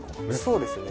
そうですね。